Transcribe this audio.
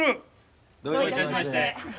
どういたしまして。